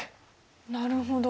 なるほど。